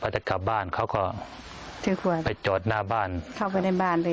จะกลับบ้านเขาก็ที่คุยไปจอดหน้าบ้านเข้าไปในบ้านเลย